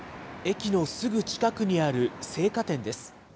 駅のすぐ近くにある生花店です。